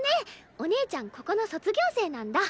お姉ちゃんここの卒業生なんだ。